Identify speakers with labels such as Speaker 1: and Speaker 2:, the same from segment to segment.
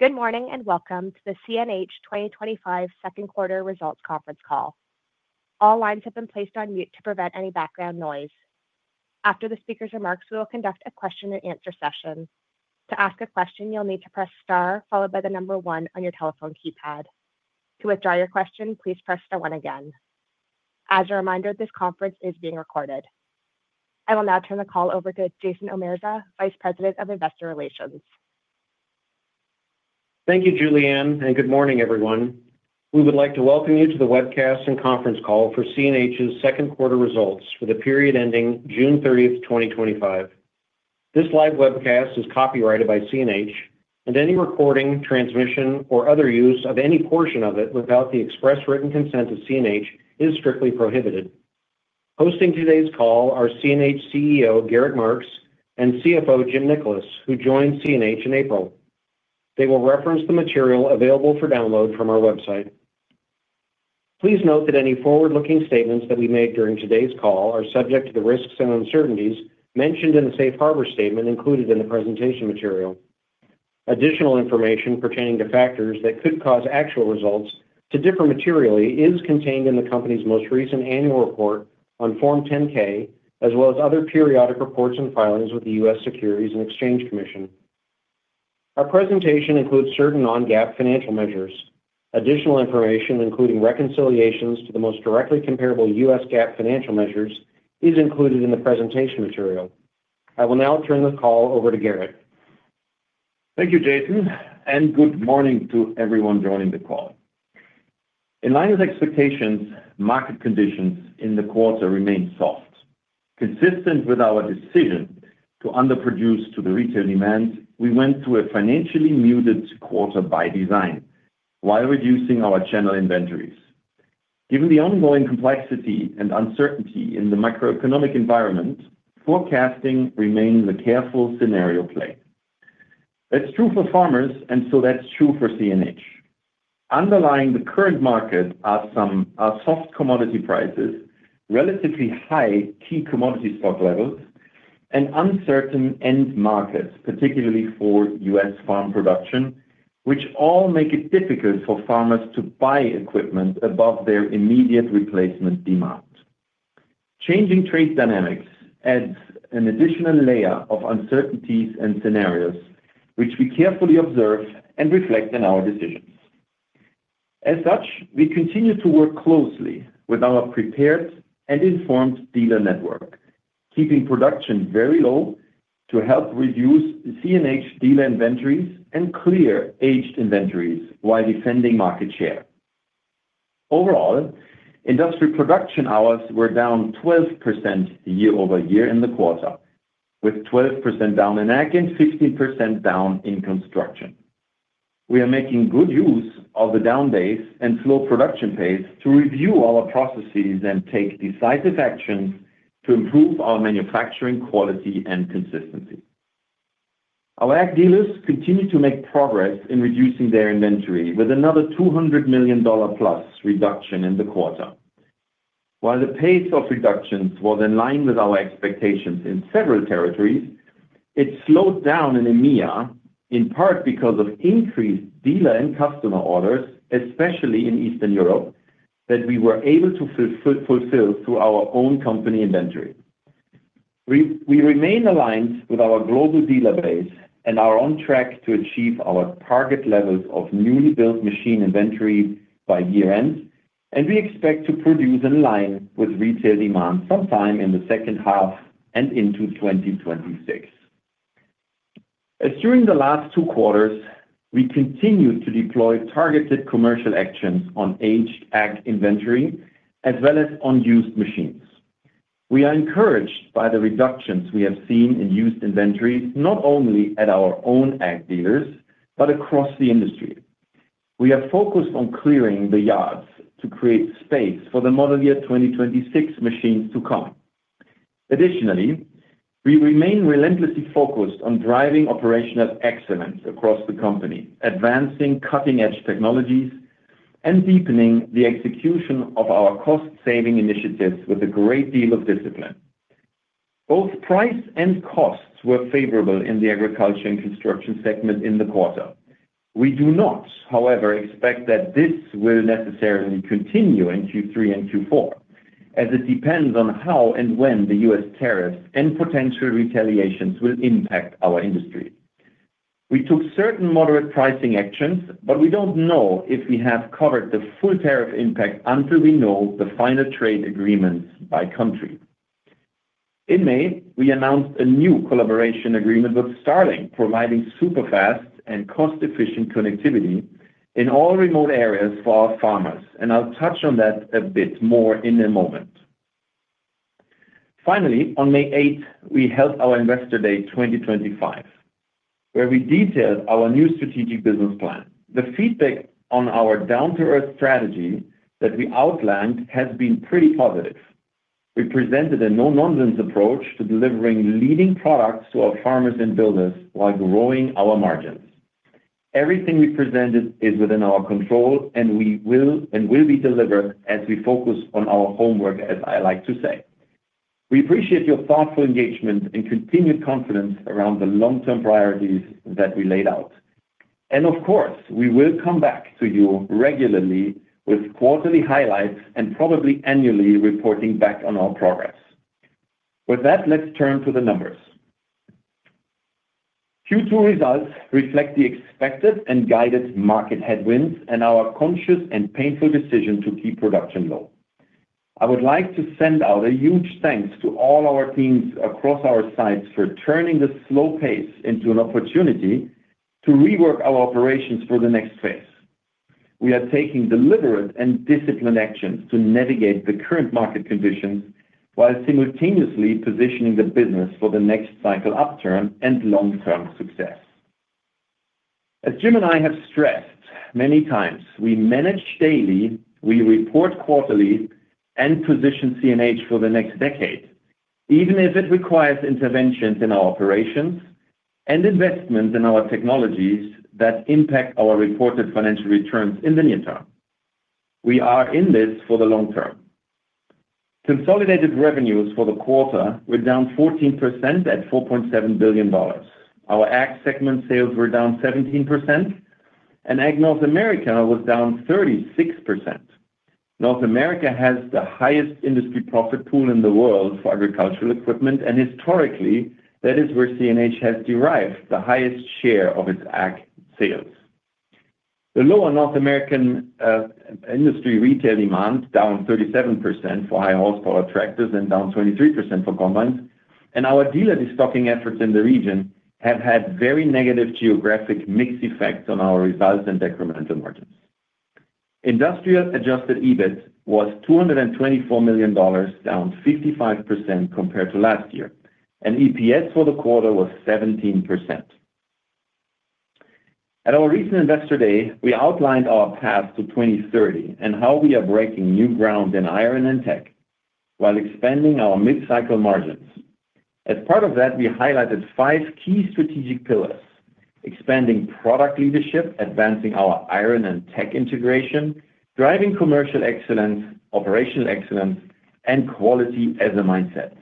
Speaker 1: Good morning and welcome to the CNH 2025 second quarter results conference call. All lines have been placed on mute to prevent any background noise. After the speaker's remarks, we will conduct a question and answer session. To ask a question, you'll need to press star followed by the number one on your telephone keypad. To withdraw your question, please press star one again. As a reminder, this conference is being recorded. I will now turn the call over to Jason Omerza, Vice President of Investor Relations.
Speaker 2: Thank you, Julianne, and good morning, everyone. We would like to welcome you to the webcast and conference call for CNH's second quarter results for the period ending June 30, 2025. This live webcast is copyrighted by CNH, and any recording, transmission, or other use of any portion of it without the express written consent of CNH is strictly prohibited. Hosting today's call are CNH CEO Gerritt Marx and CFO Jim Nickolas, who joined CNH in April. They will reference the material available for download from our website. Please note that any forward-looking statements that we make during today's call are subject to the risks and uncertainties mentioned in the Safe Harbor Statement included in the presentation material. Additional information pertaining to factors that could cause actual results to differ materially is contained in the company's most recent annual report on Form 10-K, as well as other periodic reports and filings with the U.S. Securities and Exchange Commission. Our presentation includes certain non-GAAP financial measures. Additional information, including reconciliations to the most directly comparable U.S. GAAP financial measures, is included in the presentation material. I will now turn the call over to Gerritt.
Speaker 3: Thank you, Jason, and good morning to everyone joining the call. In line with expectations, market conditions in the quarter remained soft, consistent with our decision to under produce to the retail demand. We went through a financially muted quarter by design while reducing our channel inventories. Given the ongoing complexity and uncertainty in the macroeconomic environment, forecasting remains a careful scenario play. That's true for farmers and so that's true for CNH. Underlying the current market are some soft commodity prices, relatively high key commodity stock levels, and uncertain end markets, particularly for U.S. farm production, which all make it difficult for farmers to buy equipment above their immediate replacement demand. Changing trade dynamics adds an additional layer of uncertainties and scenarios, which we carefully observe and reflect in our decisions. As such, we continue to work closely with our prepared and informed dealer network, keeping production very low to help reduce CNH dealer inventories and clear aged inventories while defending market share. Overall industrial production hours were down 12% year-over-year in the quarter, with 12% down in AG and 15% down in construction. We are making good use of the down days and slow production pace to review our processes and take decisive actions to improve our manufacturing quality and consistency. Our AG dealers continue to make progress in reducing their inventory with another $200 million plus reduction in the quarter. While the pace of reductions was in line with our expectations in several territories, it slowed down in EMEA, in part because of increased dealer and customer orders, especially in Eastern Europe, that we were able to fulfill through our own company inventory. We remain aligned with our global dealer base and are on track to achieve our target levels of newly built machine inventory by year end, and we expect to produce in line with retail demand sometime in the second half and into 2026. As during the last two quarters, we continue to deploy targeted commercial actions on aged AG inventory as well as on used machines. We are encouraged by the reductions we have seen in used inventory not only at our own AG dealers but across the industry. We are focused on clearing the yards to create space for the model year 2026 machines to come. Additionally, we remain relentlessly focused on driving operational excellence across the company, advancing cutting-edge technologies, and deepening the execution of our cost-saving initiatives with a great deal of discipline. Both price and costs were favorable in the agriculture and construction segment in the quarter. We do not, however, expect that this will necessarily continue in Q3 and Q4 as it depends on how and when the U.S. tariffs and potential retaliations will impact our industry. We took certain moderate pricing actions, but we don't know if we have covered the full tariff impact until we know the final trade agreements by country. In May, we announced a new collaboration agreement with Starlink, providing super-fast and cost-efficient connectivity in all remote areas for our farmers, and I'll touch on that a bit more in a moment. Finally, on May 8th, we held our Investor Day 2025 where we detailed our new strategic business plan. The feedback on our down-to-earth strategy that we outlined has been pretty positive. We presented a no-nonsense approach to delivering leading products to our farmers and builders while growing our margins. Everything we presented is within our control and will be delivered as we focus on our homework. As I like to say, we appreciate your thoughtful engagement and continued confidence around the long-term priorities that we laid out, and of course, we will come back to you regularly with quarterly highlights and probably annually reporting back on our progress. With that, let's turn to the numbers. Q2 results reflect the expected and guided market headwinds and our conscious and painful decision to keep production low. I would like to send out a huge thanks to all our teams across our sites for turning the slow pace into an opportunity to rework our operations for the next phase. We are taking deliberate and disciplined actions to navigate the current market conditions while simultaneously positioning the business for the next cycle, upturn, and long-term success. As Jim and I have stressed many times, we manage daily, we report quarterly, and position CNH for the next decade even if it requires interventions in our operations and investments in our technologies that impact our reported financial returns in the near term. We are in this for the long term. Consolidated revenues for the quarter were down 14% at $4.7 billion. Our AG segment sales were down 17%, and AG North America was down 36%. North America has the highest industry profit pool in the world for agricultural equipment and historically that is where CNH has derived the highest share of its aggressive sales. The lower North American industry retail demand, down 37% for high horsepower tractors and down 23% for combines, and our dealer destocking efforts in the region have had very negative geographic mix effects on our results and decremental margins. Industrial adjusted EBIT was $224 million, down 55% compared to last year, and EPS for the quarter was 17%. At our recent investor day, we outlined our path to 2030 and how we are breaking new ground in iron and tech while expanding our mid cycle margins. As part of that, we highlighted five key strategic pillars: expanding product leadership, advancing our iron and tech integration, driving commercial excellence, operational excellence, and quality. As a mindset,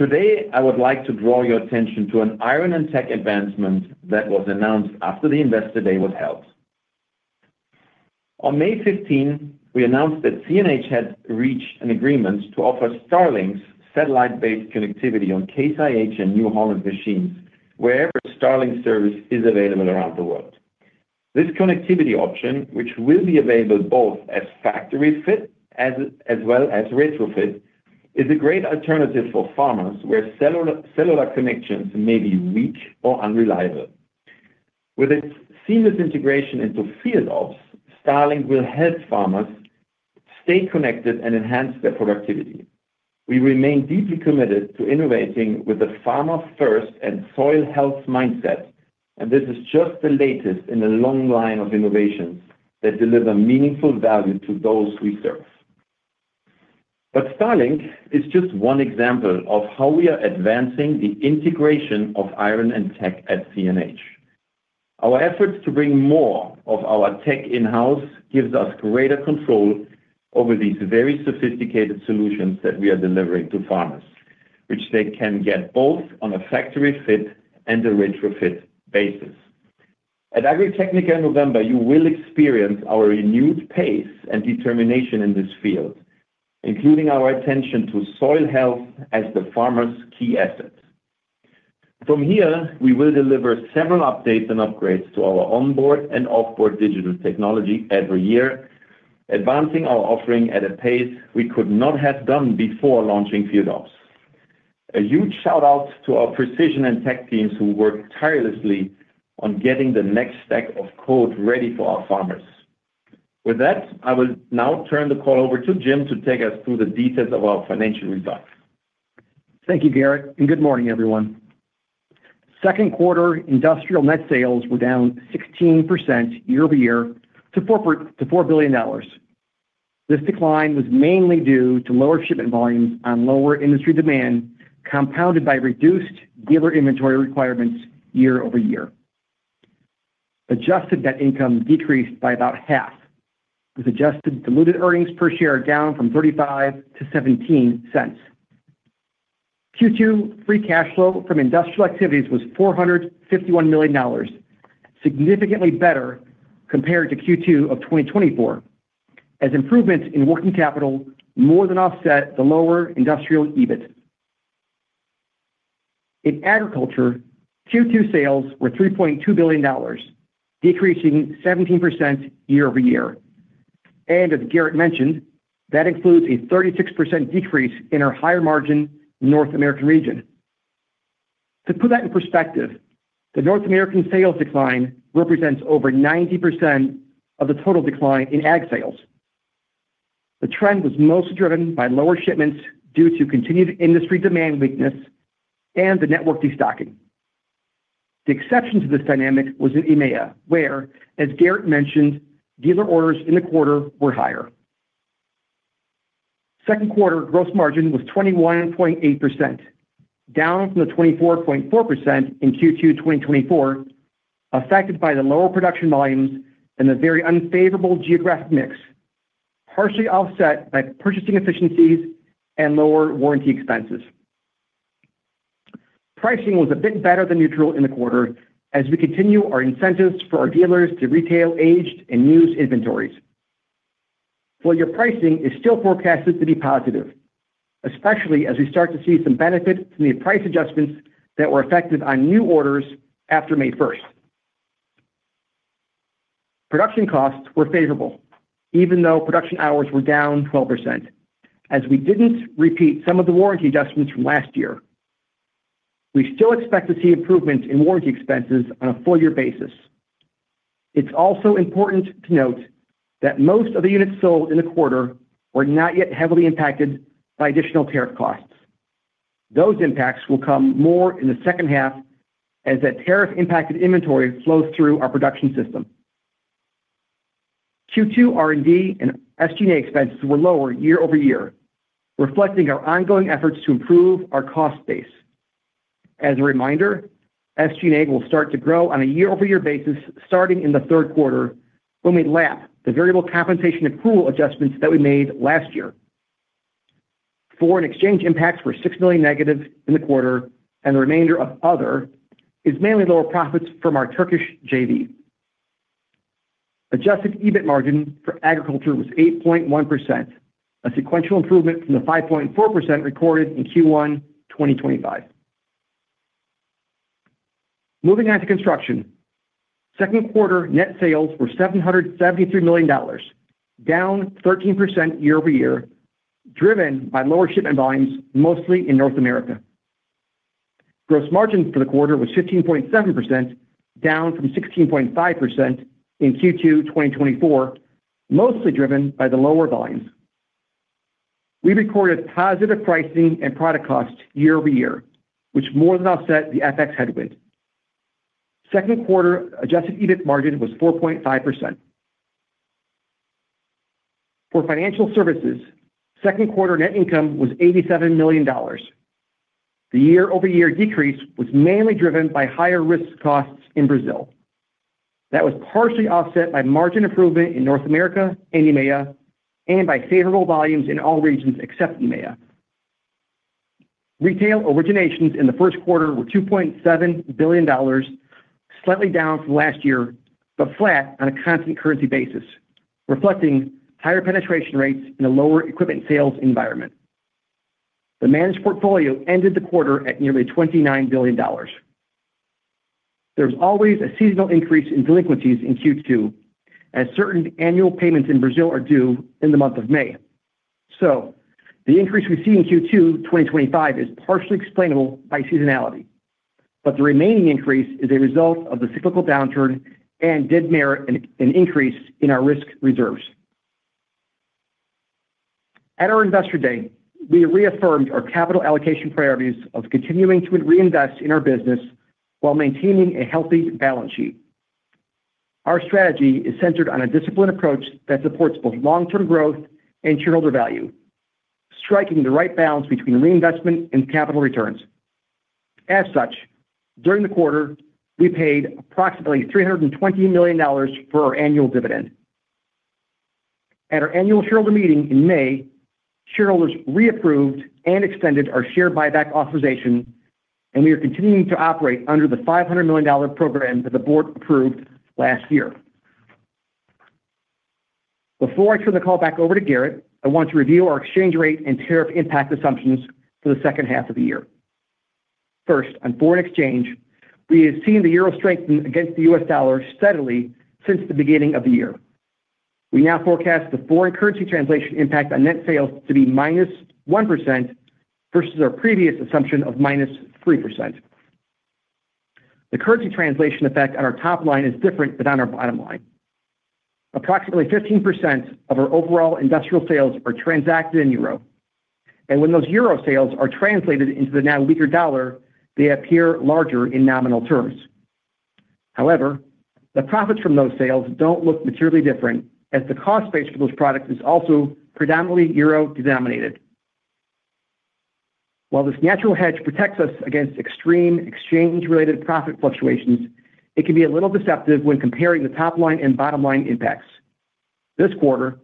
Speaker 3: today I would like to draw your attention to an iron and tech advancement that was announced after the investor day was held. On May 15, we announced that CNH had reached an agreement to offer Starlink's satellite-based connectivity on Case IH and New Holland machines wherever Starlink service is available around the world. This connectivity option, which will be available both as factory fit as well as retrofit, is a great alternative for farmers where cellular connections may be weak or unreliable. With its seamless integration into field ops, Starlink will help farmers stay connected and enhance their productivity. We remain deeply committed to innovating with a farmer first and soil health mindset, and this is just the latest in a long line of innovations that deliver meaningful value to those we serve. Starlink is just one example of how we are advancing the integration of iron and tech at CNH. Our efforts to bring more of our tech in house give us greater control over these very sophisticated solutions that we are delivering to farmers, which they can get both on a factory fit and a retrofit basis. At Agritechnica in November, you will experience our renewed pace and determination in this field, including our attention to soil health as the farmer's key asset. From here, we will deliver several updates and upgrades to our onboard and offboard digital technology every year, advancing our offering at a pace we could not have done before launching FieldOps. A huge shout out to our precision and tech teams who work tirelessly on getting the next stack of code ready for our farmers. With that, I will now turn the call over to Jim to take us through the details of our financial results.
Speaker 4: Thank you, Gerritt, and good morning, everyone. Second quarter industrial net sales were down 16% year-over-year to $4 billion. This decline was mainly due to lower shipment volumes on lower industry demand, compounded by reduced dealer inventory requirements. Year-over-year, adjusted net income decreased by about half, with adjusted diluted earnings per share down from $0.35-$0.17. Q2 free cash flow from industrial activities was $451 million, significantly better compared to Q2 of 2024 as improvements in working capital more than offset the lower industrial EBIT. In agriculture, Q2 sales were $3.2 billion, decreasing 17% year-over-year, and as Gerritt mentioned, that includes a 36% decrease in our higher margin North American region. To put that in perspective, the North American sales decline represents over 90% of the total decline in AG sales. The trend was mostly driven by lower shipments due to continued industry demand weakness and the network destocking. The exception to this dynamic was in EMEA where, as Gerritt mentioned, dealer orders in the quarter were higher. Second quarter gross margin was 21.8%, down from 24.4% in Q2 2024, affected by the lower production volumes and the very unfavorable geographic mix, partially offset by purchasing efficiencies and lower warranty expenses. Pricing was a bit better than neutral in the quarter. As we continue our incentives for our dealers to retail aged and used inventories, full year pricing is still forecasted to be positive, especially as we start to see some benefit from the price adjustments that were effective on new orders after May 1. Production costs were favorable even though production hours were down 12%. As we didn't repeat some of the warranty adjustments from last year, we still expect to see improvements in warranty expenses on a full year basis. It's also important to note that most of the units sold in the quarter were not yet heavily impacted by additional tariff costs. Those impacts will come more in the second half as that tariff-impacted inventory flows through our production system. Q2 R&D and SG&A expenses were lower year-over-year, reflecting our ongoing efforts to improve our cost base. As a reminder, SG&A will start to grow on a year-over-year basis starting in the third quarter when we lap the variable compensation accrual adjustments that we made last year. Foreign exchange impacts were $6 million negative in the quarter, and the remainder of other is mainly lower profits from our Turkish JV. Adjusted EBIT margin for agriculture was 8.1%, a sequential improvement from the 5.4% recorded in Q1 2020. Moving on to construction, second quarter net sales were $773 million, down 13% year-over-year, driven by lower shipment volumes, mostly in North America. Gross margin for the quarter was 15.7%, down from 16.5% in Q2 2024, mostly driven by the lower volumes. We recorded positive pricing and product cost year-over-year, which more than offset the FX headwind. Second quarter adjusted EBIT margin was 4.5% for financial services. Second quarter net income was $87 million. The year-over-year decrease was mainly driven by higher risk costs in Brazil. That was partially offset by margin improvement in North America and EMEA and by favorable volumes in all regions except EMEA. Retail originations in the first quarter were $2.7 billion, slightly down from last year but flat on a constant currency basis, reflecting higher penetration rates in a lower equipment sales environment. The managed portfolio ended the quarter at nearly $29 billion. There was always a seasonal increase in delinquencies in Q2, as certain annual payments in Brazil are due in the month of May. The increase we see in Q2 2025 is partially explainable by seasonality, but the remaining increase is a result of the cyclical downturn and did merit an increase in our risk reserves. At our Investor Day, we reaffirmed our capital allocation priorities of continuing to reinvest in our business while maintaining a healthy balance sheet. Our strategy is centered on a disciplined approach that supports both long term growth and shareholder value, striking the right balance between reinvestment and capital returns. As such, during the quarter we paid approximately $320 million for our annual dividend. At our annual shareholder meeting in May, shareholders reapproved and extended our share buyback authorization, and we are continuing to operate under the $500 million program that the Board approved last year. Before I turn the call back over to Gerritt, I want to review our exchange rate and tariff impact assumptions for the second half of the year. First on foreign exchange, we have seen the Euro strengthen against the U.S. Dollar steadily since the beginning of the year. We now forecast the foreign currency translation impact on net sales to be -1% versus our previous assumption of -3%. The currency translation effect on our top line is different than on our bottom line. Approximately 15% of our overall industrial sales are transacted in Euro and when those Euro sales are translated into the now weaker dollar, they appear larger in nominal terms. However, the profits from those sales don't look materially different as the cost base for those products is also predominantly Euro denominated. While this natural hedge protects us against extreme exchange related profit fluctuations, it can be a little deceptive when comparing the top line and bottom line impacts. This quarter,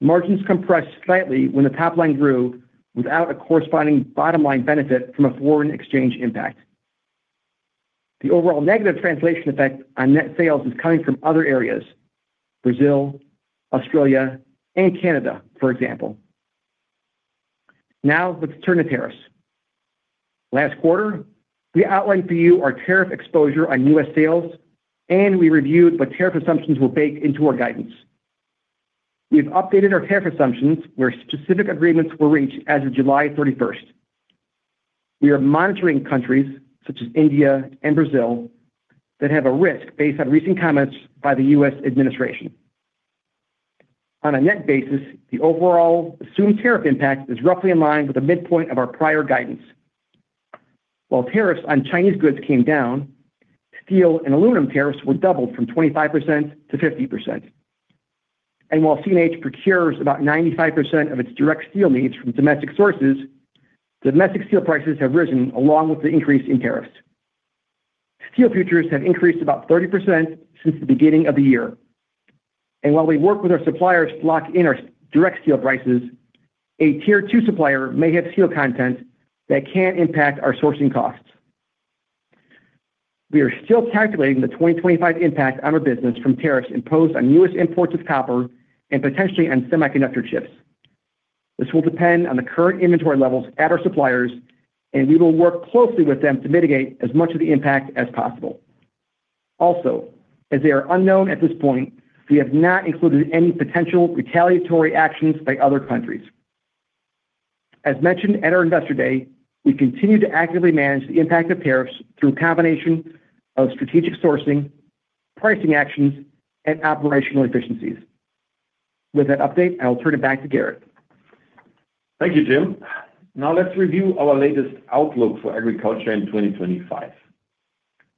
Speaker 4: margins compressed slightly when the top line grew without a corresponding bottom line benefit from a foreign exchange impact. The overall negative translation effect on net sales is coming from other areas. Brazil, Australia, and Canada for example. Now let's turn to tariffs. Last quarter we outlined for you our tariff exposure on U.S. sales and we reviewed what tariff assumptions were baked into our guidance. We've updated our tariff assumptions where specific agreements were reached as of July 31. We are monitoring countries such as India and Brazil that have a risk based on recent comments by the U.S. Administration. On a net basis, the overall assumed tariff impact is roughly in line with the midpoint of our prior guidance. While tariffs on Chinese goods came down, steel and aluminum tariffs were doubled from 25%-50%. While CNH procures about 95% of its direct steel needs from domestic sources, domestic steel prices have risen along with the increase in tariffs. Steel futures have increased about 30% since the beginning of the year. While we work with our suppliers to lock in our direct steel prices, a tier 2 supplier may have steel content that can impact our sourcing costs. We are still calculating the 2025 impact on our business from tariffs imposed on U.S. imports of copper and potentially on semiconductor chips. This will depend on the current inventory levels at our suppliers and we will work closely with them to mitigate as much of the impact as possible. Also, as they are unknown at this point, we have not included any potential retaliatory actions by other countries. As mentioned at our investor day, we continue to actively manage the impact of tariffs through a combination of strategic sourcing, pricing actions, and operational efficiencies. With that update, I will turn it back to Gerritt.
Speaker 3: Thank you, Jim. Now, let's review our latest outlook for agriculture in 2025.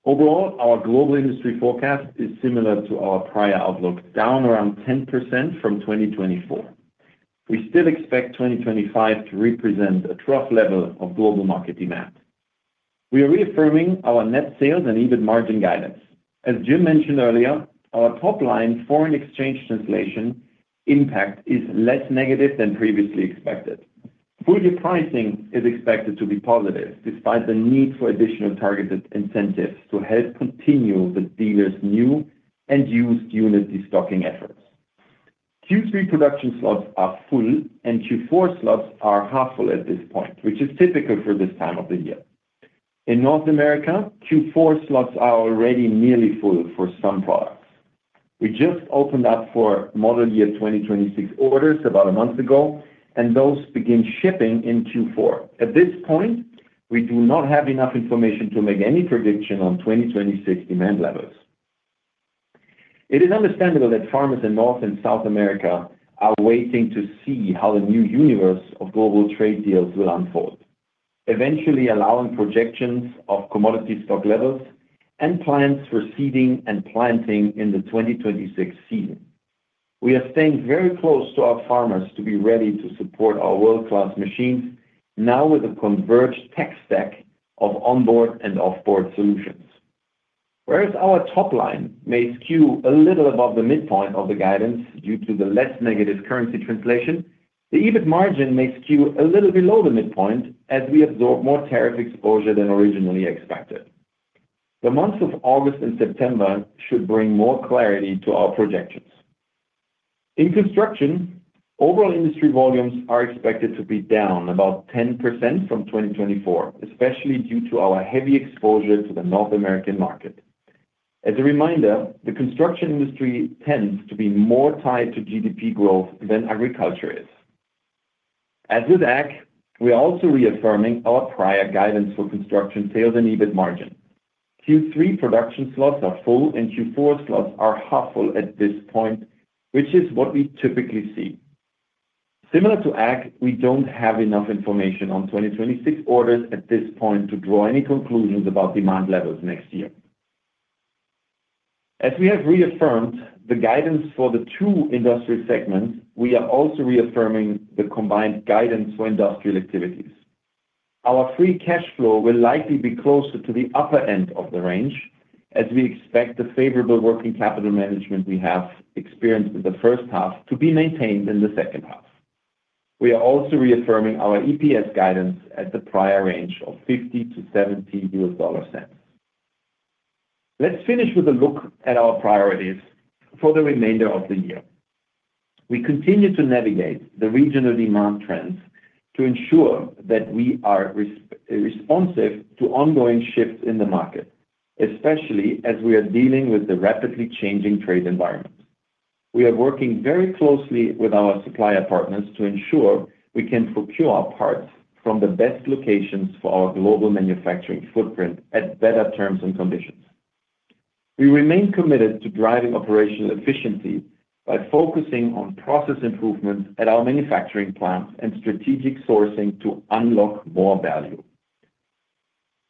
Speaker 3: Overall, our global industry forecast is similar to our prior outlook, down around 10% from 2024. We still expect 2025 to represent a trough level of global market demand. We are reaffirming our net sales and EBIT margin guidance. As Jim mentioned earlier, our top line foreign exchange translation impact is less negative than previously expected. Full year pricing is expected to be positive despite the need for additional targeted incentives to help continue the dealer's new and used unit destocking efforts. Q3 production slots are full and Q4 slots are half full at this point, which is typical for this time of the year. In North America, Q4 slots are already nearly full for some products. We just opened up for model year 2026 orders about a month ago and those begin shipping in Q4. At this point, we do not have enough information to make any prediction on 2026 demand levels. It is understandable that farmers in North and South America are waiting to see how a new universe of global trade deals will unfold, eventually allowing projections of commodity stock levels and plans for seeding and planting in the 2026 season. We are staying very close to our farmers to be ready to support our world-class machines now with a converged tech stack of onboard and offboard solutions. Whereas our top line may skew a little above the midpoint of the guidance due to the less negative currency translation, the EBIT margin may skew a little below the midpoint as we absorb more tariff exposure than originally expected. The months of August and September should bring more clarity to our projections. In construction, overall industry volumes are expected to be down about 10% from 2024, especially due to our heavy exposure to the North American market. As a reminder, the construction industry tends to be more tied to GDP growth than agriculture is. As with agriculture, we are also reaffirming our prior guidance for construction sales and EBIT margin. Q3 production slots are full and Q4 slots are half full at this point, which is what we typically see. Similar to agriculture, we don't have enough information on 2026 orders at this point to draw any conclusions about demand levels next year. As we have reaffirmed the guidance for the two industrial segments, we are also reaffirming the combined guidance for industrial activities. Our free cash flow will likely be closer to the upper end of the range as we expect the favorable working capital management we have experienced in the first half to be maintained in the second half. We are also reaffirming our EPS guidance at the prior range of $0.50-$0.70. Let's finish with a look at our priorities for the remainder of the year. We continue to navigate the regional demand trends and to ensure that we are responsive to ongoing shifts in the market, especially as we are dealing with the rapidly changing trade environment. We are working very closely with our supplier partners to ensure we can procure our parts from the best locations for our global manufacturing footprint at better terms and conditions. We remain committed to driving operational efficiency by focusing on process improvements at our manufacturing plant and strategic sourcing to unlock more value.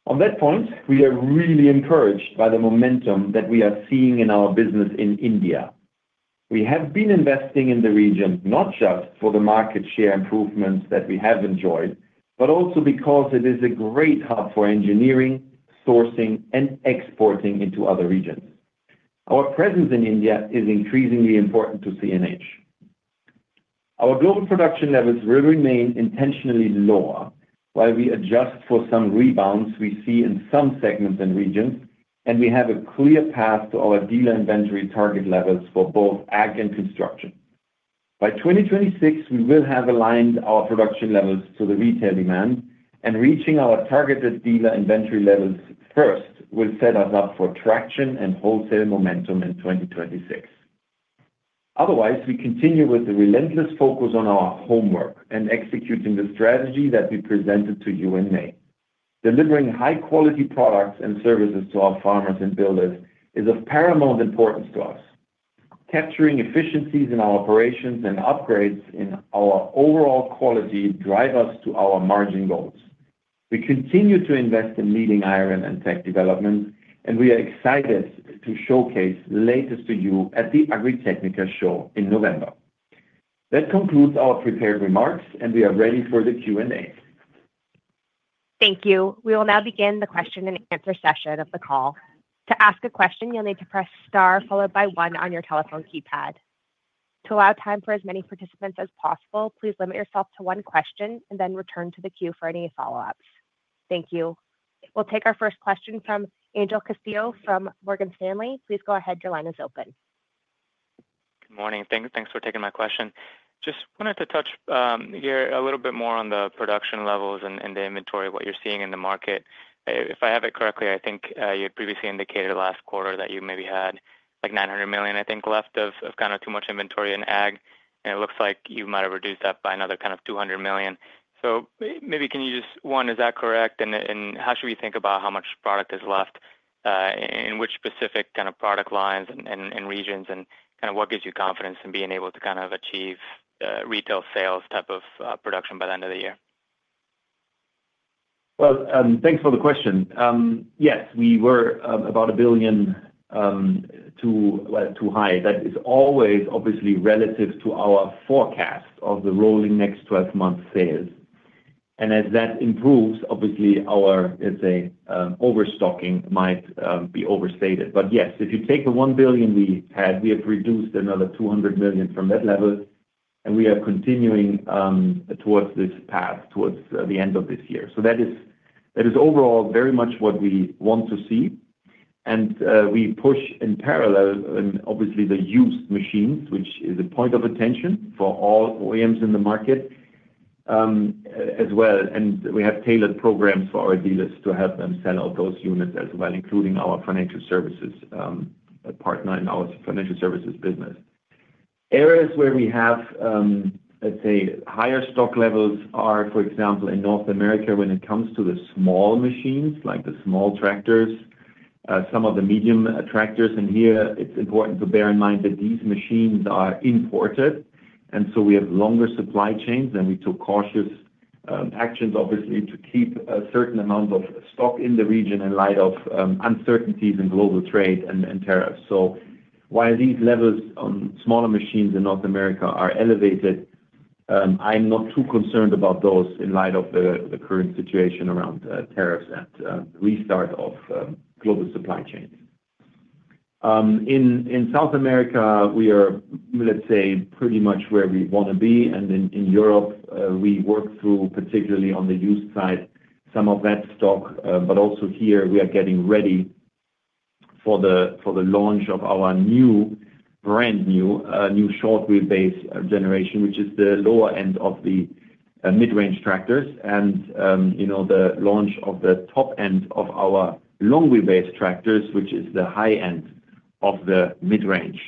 Speaker 3: On that point, we are really encouraged by the momentum that we are seeing in our business in India. We have been investing in the region not just for the market share improvements that we have enjoyed, but also because it is a great hub for engineering, sourcing, and exporting into other regions. Our presence in India is increasingly important to CNH. Our global production levels will remain intentionally lower while we adjust for some rebounds we see in some segments and regions, and we have a clear path to our dealer inventory target levels for both AG and construction. By 2026, we will have aligned our production levels to the retail demand, and reaching our targeted dealer inventory levels first will set us up for traction and wholesale momentum in 2023. Otherwise, we continue with the relentless focus on our homework and executing the strategy that we presented to you in May. Delivering high quality products and services to our farmers and builders is of paramount importance to us. Capturing efficiencies in our operations and upgrades in our overall quality drive us to our margin goals. We continue to invest in leading iron and tech development, and we are excited to showcase latest to you at the Agritechnica show. That concludes our prepared remarks and we are ready for the Q&A.
Speaker 1: Thank you. We will now begin the question and answer session of the call. To ask a question, you'll need to press star followed by one on your telephone keypad to allow time for as many participants as possible. Please limit yourself to one question and then return to the queue for any follow ups. Thank you. We'll take our first question from Angel Castillo from Morgan Stanley. Please go ahead. Your line is open.
Speaker 5: Good morning. Thanks for taking my question. Just wanted to touch here a little bit more on the production levels and the inventory, what you're seeing in the market. If I have it correctly, I think you had previously indicated last quarter that you maybe had like $900 million, I think, left of kind of too much inventory in AG, and it looks like you might have reduced that by another kind of $200 million. Maybe can you just, one, is that correct? And how should we think about how much product is left in which specific kind of product lines and regions? What gives you confidence in being able to achieve retail sales type of production by the end of the year?
Speaker 3: Thanks for the question. Yes, we were about $1 billion too high. That is always obviously relative to our forecast of the rolling next 12 month sales, and as that improves, obviously our overstocking might be overstated. Yes, if you take the $1 billion we had, we have reduced another $200 million from that level, and we are continuing towards this path towards the end of this year. That is overall very much what we want to see. We push in parallel, obviously, the used machines, which is a point of attention for all OEMs in the market as well. We have tailored programs for our dealers to help them sell out those units as well, including our financial services partner in our financial services business. Areas where we have, let's say, higher stock levels are, for example, in North America. When it comes to the small machines, like the small tractors, some of the medium tractors, in here it's important to bear in mind that these machines are imported, and we have longer supply chains, and we took cautious actions, obviously, to keep a certain amount of stock in the region in light of uncertainties in global trade and tariffs. While these levels on smaller machines in North America are elevated, I'm not too concerned about those in light of the current situation around tariffs and restart of global supply chains. In South America, we are, let's say, pretty much where we want to be. In Europe, we work through, particularly on the used side, some of that stock. Also, here we are getting ready for the launch of our new brand new short wheelbase generation, which is the lower end of the mid range tractors, and the launch of the top end of our long wheelbase tractors, which is the high end of the mid range.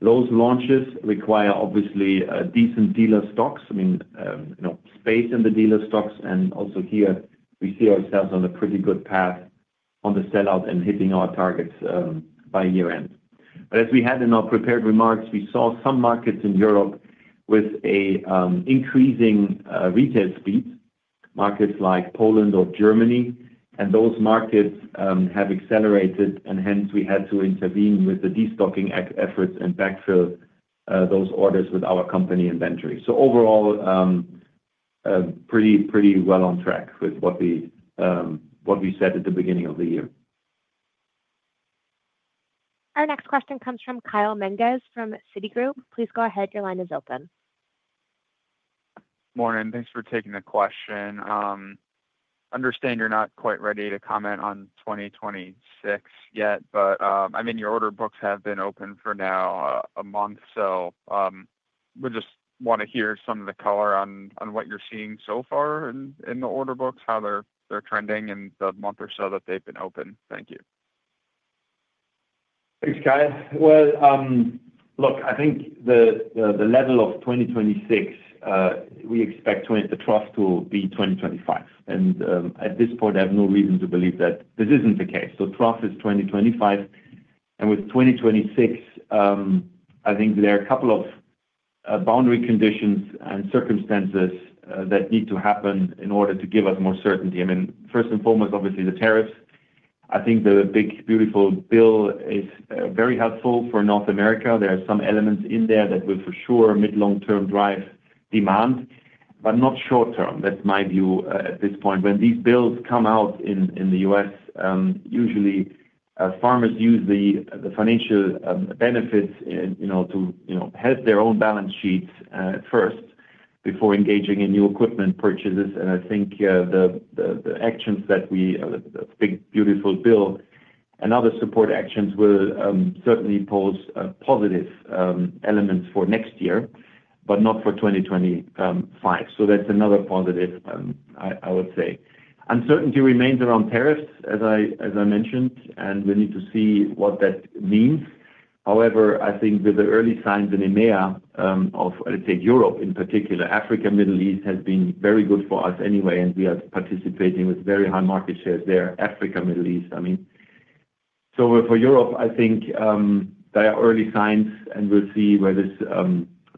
Speaker 3: Those launches require obviously decent dealer stocks, space in the dealer stocks. Also, here we see ourselves on a pretty good path on the sellout and hitting our targets by year end. As we had in our prepared remarks, we saw some markets in Europe with an increasing retail speed, markets like Poland or Germany. Those markets have accelerated, and we had to intervene with the destocking efforts and backfill those orders with our company inventory. Overall, pretty well on track with what we said at the beginning of the year.
Speaker 1: Our next question comes from Kyle Menges from Citigroup. Please go ahead. Your line is open.
Speaker 6: Morning. Thanks for taking the question. Understand you're not quite ready to comment on 2026 yet, but I mean your order books have been open for now a month. We just want to hear some of the color on what you're seeing so far in the order books, how they're trending in the month or so that they've been open. Thank you.
Speaker 3: Thanks, Kyle. I think the level of 2026, we expect the trough to be 2025 and at this point I have no reason to believe that this isn't the case. Trough is 2025 and with 2026 I think there are a couple of boundary conditions and circumstances that need to happen in order to give us more certainty. First and foremost, obviously the tariffs. I think the Big Beautiful Bill is very helpful for North America. There are some elements in there that will for sure mid long term drive demand, but not short term. That's my view at this point. When these bills come out in the U.S. usually farmers use the financial benefits to have their own balance sheets first before engaging in new equipment purchases. I think the actions that we think beautiful bill and other support actions will certainly pose positive elements for next year, but not for 2025. That's another positive. I would say uncertainty remains around tariffs as I mentioned and we need to see what that means. However, I think with the early signs in EMEA of Europe in particular, Africa, Middle East has been very good for us anyway and we are participating with very high market shares there. Africa, Middle East, I mean. For Europe I think there are early signs and we'll see where this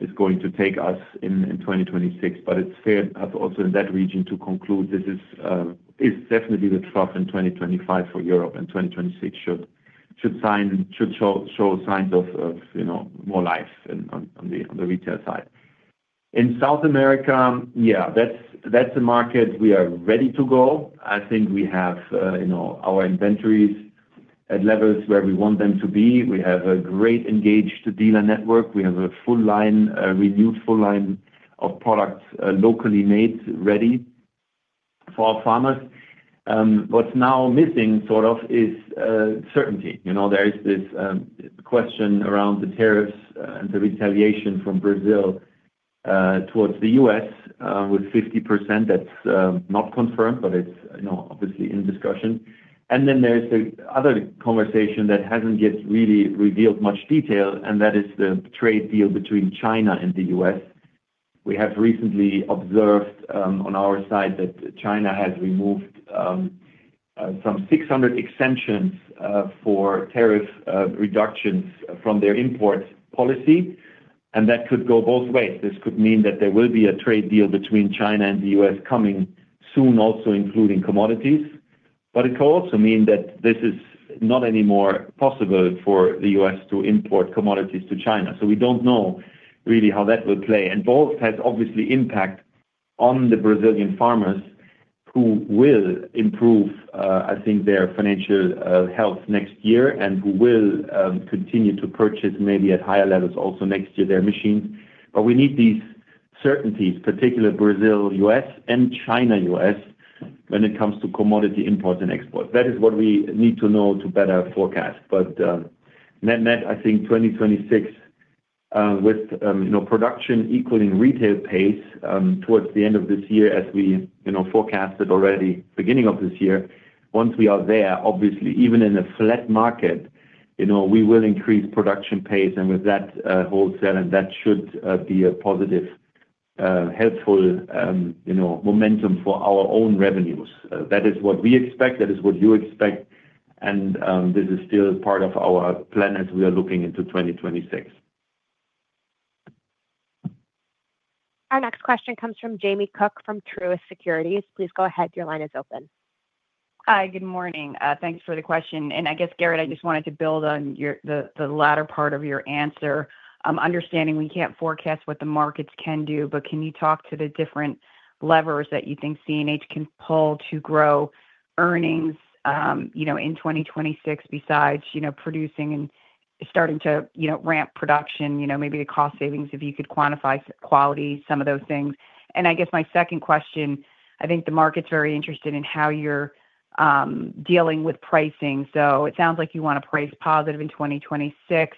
Speaker 3: is going to take us in 2026. It's fair also in that region to conclude this is definitely the trough in 2025 for Europe and 2026 should show signs of more life on the retail side. In South America, that's a market we are ready to go. I think we have our inventories at levels where we want them to be. We have a great engaged dealer network. We have a full line renewed, full line of products locally made ready for farmers. What's now missing sort of is certainty. There is this question around the tariffs and the retaliation from Brazil towards the U.S. with 50% that's not confirmed, but it's obviously in discussion. There is the other conversation that hasn't yet really revealed much detail, and that is the trade deal between China and the U.S. We have recently observed on our side that China has removed some 600 exemptions for tariff reductions from their import policy. That could go both ways. This could mean that there will be a trade deal between China and the U.S. coming soon, also including commodities. It could also mean that this is not anymore possible for the U.S. to import commodities to China. We don't know really how that will play. Both have obvious impact on the Brazilian farmers, who will improve, I think, their financial health next year and who will continue to purchase, maybe at higher levels also next year, their machines. We need these certainties, particularly Brazil-U.S. and China-U.S. when it comes to commodity imports and exports. That is what we need to know to better forecast. Net, net, I think 2026, with production equaling retail pace towards the end of this year, as we forecasted already at the beginning of this year, once we are there, obviously even in a flat market, we will increase production pace and with that wholesale. That should be a positive, helpful momentum for our own revenues. That is what we expect. That is what you expect. This is still part of our plan as we are looking into 2026.
Speaker 1: Our next question comes from Jamie Cook from Truist Securities. Please go ahead. Your line is open.
Speaker 7: Hi, good morning. Thanks for the question. I guess, Gerritt, I just wanted to build on the latter part of your answer, understanding we can't forecast what the markets can do. Can you talk to the different levers that you think CNH can pull to grow earnings in 2026, besides producing and starting to ramp production, maybe the cost savings if you could quantify quality, some of those things. I guess my second question, I think the market's very interested in how you're dealing with pricing. It sounds like you want to price positive in 2026,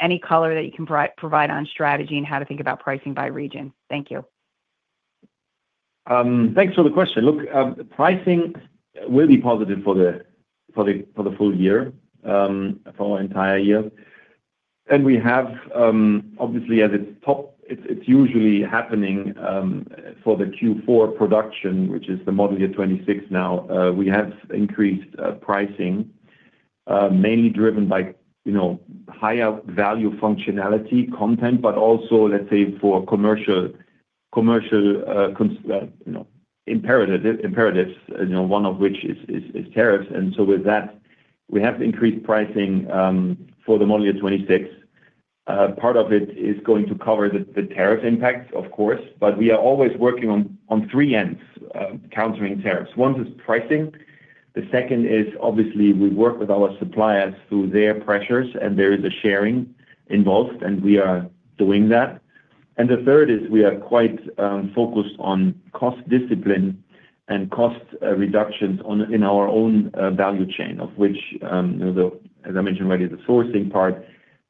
Speaker 7: any color that you can provide on strategy and how to think about pricing by region. Thank you.
Speaker 3: Thanks for the question. Look, pricing will be positive for the full year, for entire year. We have obviously at its top, it's usually happening for the Q4 production, which is the model year 2026. Now we have increased pricing mainly driven by higher value, functionality, content, but also for commercial imperatives, one of which is tariffs. With that, we have increased pricing for the model year 2026. Part of it is going to cover the tariff impact, of course, but we are always working on three ends, countering tariffs. One is pricing. The second is obviously we work with our suppliers through their pressures and there is a sharing involved and we are doing that. The third is we are quite focused on cost discipline and cost reductions in our own value chain, of which, as I mentioned already, the sourcing part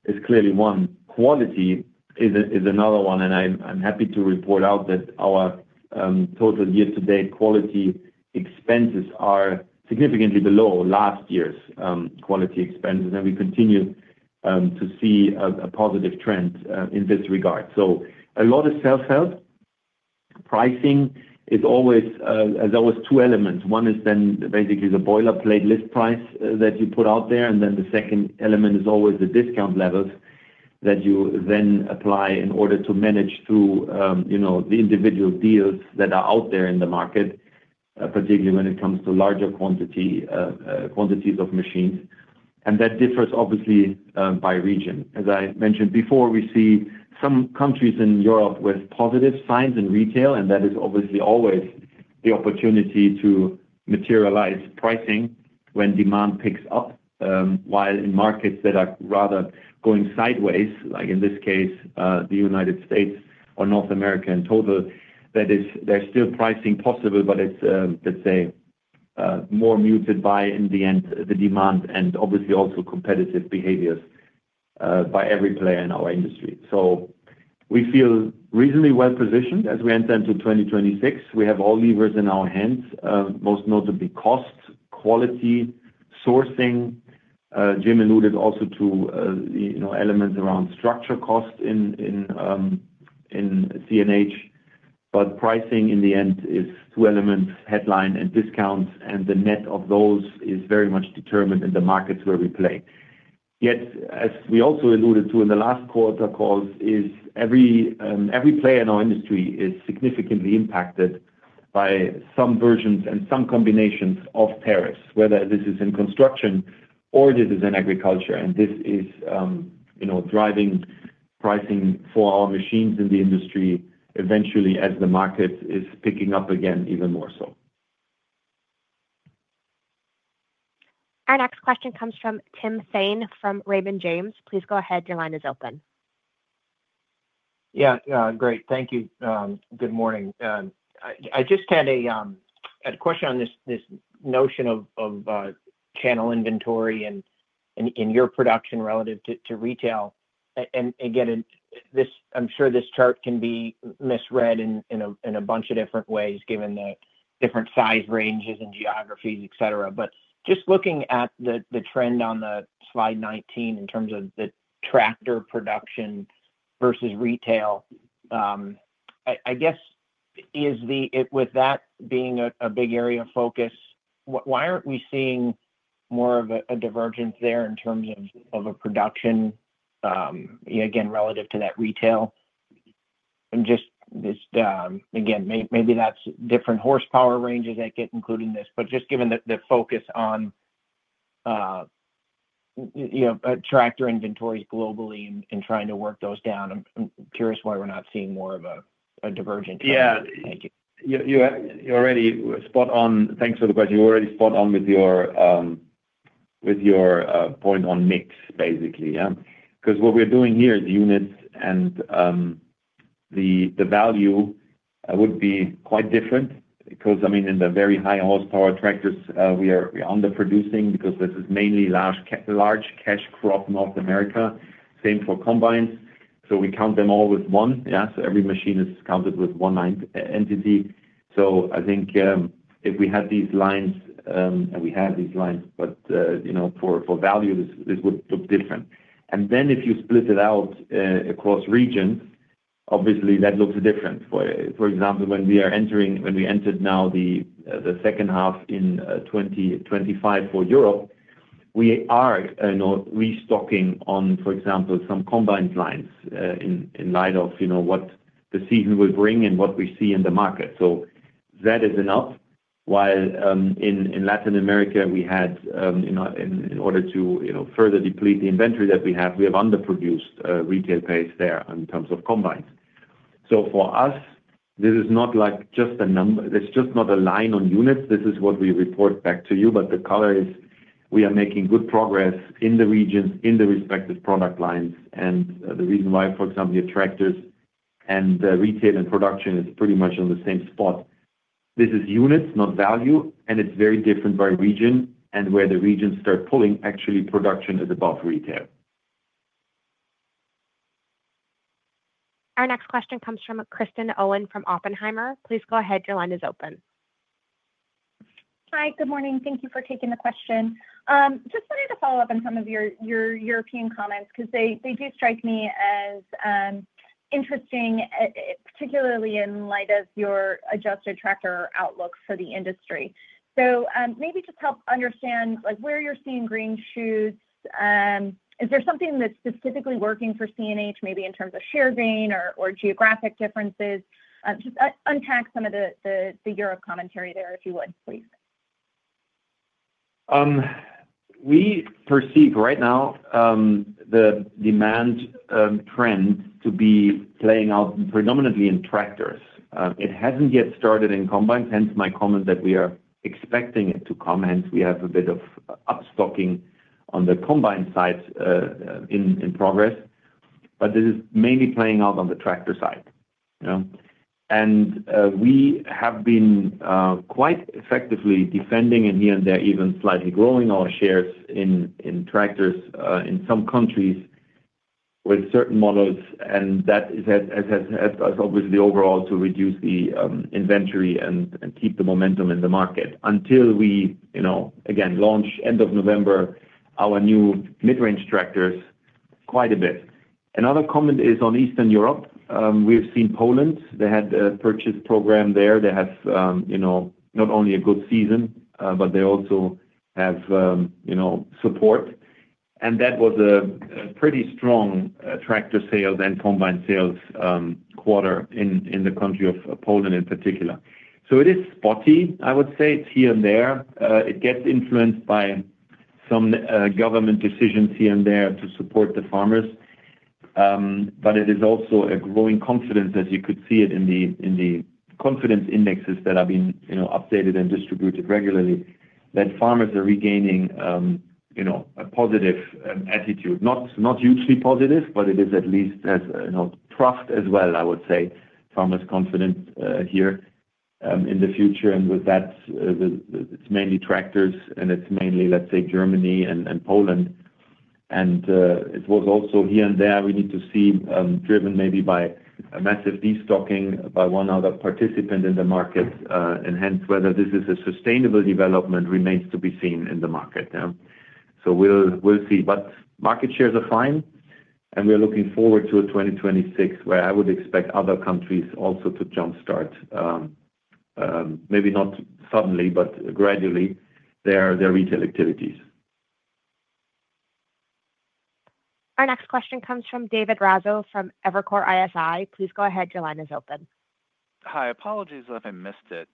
Speaker 3: is clearly one, quality is another one. I'm happy to report out that our total year-to-date quality expenses are significantly below last year's quality expenses and we continue to see a positive trend in this regard. A lot of self help. Pricing is always, there's always two elements. One is basically the boilerplate list price that you put out there and then the second element is always the discount levels that you then apply in order to manage through the individual deals that are out there in the market, particularly when it comes to larger quantities of machines. That differs obviously by region. As I mentioned before, we see some countries in Europe with positive signs in retail and that is obviously always the opportunity to materialize pricing when demand picks up, while in markets that are rather going sideways, like in this case the United States or North America in total, there is still pricing possible, but it's more muted by in the end the demand and also competitive behaviors by every player in our industry. We feel reasonably well positioned as we enter into 2026. We have all levers in our hands, most notably cost, quality, sourcing. Jim alluded also to elements around structure cost in CNH. Pricing in the end is two elements, headline and discount. The net of those is very much determined in the markets where we play. Yet as we also alluded to in the last quarter calls, every player in our industry is significantly impacted by some versions and some combinations of tariffs, whether this is in construction or this is in agriculture, and this is driving pricing for our machines in the industry eventually as the market is picking up again, even more so.
Speaker 1: Our next question comes from Tim Thain from Raymond James. Please go ahead. Your line is open.
Speaker 8: Yeah, great, thank you. Good morning. I just had a question on this notion of channel inventory and your production relative to retail. I'm sure this chart can be misread in a bunch of different ways given the different size ranges and geographies, etc. Just looking at the trend on Slide 19 in terms of the tractor production versus retail, I guess with that being a big area of focus, why aren't we seeing more of a divergence there in terms of production relative to that retail? Maybe that's different horsepower ranges that get included in this, just given the focus on tractor inventories globally and trying to work those down, I'm curious why we're not seeing more of a divergent.
Speaker 3: Yeah.
Speaker 8: Thank you.
Speaker 3: You're already spot on. Thanks for the question. You're already spot on with your point on mix basically because what we're doing here is units and the value would be quite different because, I mean, in the very high horsepower tractors we are underproducing because this is mainly large cash crop North America, same for combines. We count them all with one. Yes, every machine is counted with one entity. I think if we had these lines and we had these lines, but, you know, for value this would look different. If you split it out across regions, obviously that looks different. For example, when we entered now the second half in 2025 for Europe, we are restocking on, for example, some combine lines in light of what the season will bring and what we see in the market. That is enough. While in Latin America, in order to further deplete the inventory that we have, we have underproduced retail pace there in terms of combines. For us this is not just a number, it's just not a line on units. This is what we report back to you, but the color is we are making good progress in the regions in the respective product lines and the reason why, for example, your tractors and retail and production is pretty much on the same spot. This is units, not value, and it's very different by region and where the regions start pulling actually production is above retail.
Speaker 1: Our next question comes from Kristen Owen from Oppenheimer. Please go ahead, your line is open.
Speaker 9: Hi, good morning. Thank you for taking the question. Just wanted to follow up on some of your European comments because they do strike me as interesting, particularly in light of your adjusted tracker outlook for the industry. Maybe just help understand where you're seeing green shoots. Is there something that's specifically working for CNH? Maybe in terms of share gain or geographic differences? Just unpack some of the Europe commentary there if you would please.
Speaker 3: We perceive right now the demand trend to be playing out predominantly in tractors. It hasn't yet started in combines, hence my comment that we are expecting it to come. We have a bit of upstocking on the combine side in progress, but this is mainly playing out on the tractor side and we have been quite effectively defending and here and there even slightly growing our shares in tractors in some countries with certain models. That has helped us obviously overall to reduce the inventory and keep the momentum in the market until we again launch end of November, our new mid range tractors quite a bit. Another comment is on Eastern Europe, we've seen Poland, they had a purchase program there. They have not only a good season but they also have support and that was a pretty strong tractor sales and combine sales quarter in the country of Poland in particular. It is spotty I would say it's here and there. It gets influenced by some government decisions here and there to support the farmers. It is also a growing confidence as you could see it in the confidence indexes that have been updated and distributed regularly that farmers are regaining a positive attitude. Not hugely positive but it is at least as troughed as well I would say farmers confident here in the future. With that it's mainly tractors and it's mainly let's say Germany and Poland and it was also here and there we need to see driven maybe by a massive destocking by one other participant in the market and hence whether this is a sustainable development remains to be seen in the market. We'll see but market shares are fine and we're looking forward to a 2026 where I would expect other countries also to jump start, maybe not suddenly but gradually their retail activities.
Speaker 1: Our next question comes from David Raso from Evercore ISI. Please go ahead. Your line is open.
Speaker 10: Hi, apologies if I missed it,